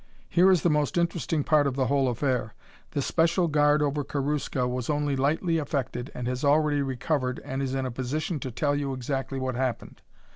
Here is the most interesting part of the whole affair. The special guard over Karuska was only lightly affected and has already recovered and is in a position to tell you exactly what happened.